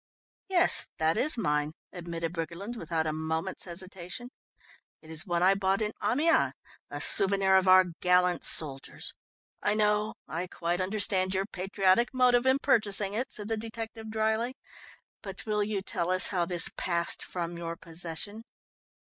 "Yes, that is mine," admitted Briggerland without a moment's hesitation. "It is one I bought in Amiens, a souvenir of our gallant soldiers " "I know, I quite understand your patriotic motive in purchasing it," said the detective dryly, "but will you tell us how this passed from your possession."